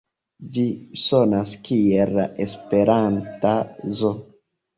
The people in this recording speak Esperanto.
Ĝi sonas kiel la esperanta Zo.